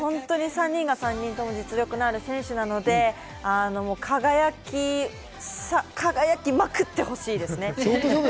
３人が３人とも実力のある選手なので、輝きまくってほしいですね！